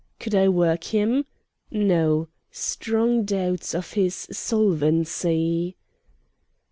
Could I work him? No. Strong doubts of his solvency.